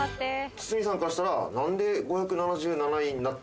堤さんからしたらなんで。